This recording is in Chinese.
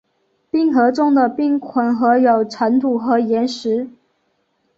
冰河中的冰混合有尘土和岩石。